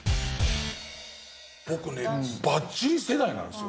僕ねバッチリ世代なんですよ。